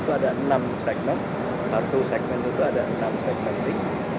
itu ada enam segmen satu segmen itu ada enam segmentik